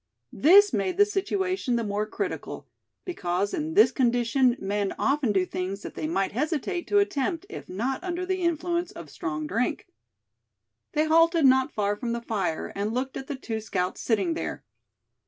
This made the situation the more critical, because in this condition men often do things that they might hesitate to attempt if not under the influence of strong drink. They halted not far from the fire, and looked at the two scouts sitting there.